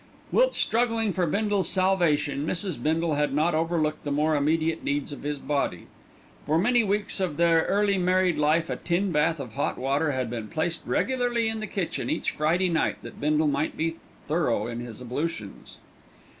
Whilst struggling for Bindle's salvation, Mrs. Bindle had not overlooked the more immediate needs of his body. For many weeks of their early married life a tin bath of hot water had been placed regularly in the kitchen each Friday night that Bindle might be thorough in his ablutions.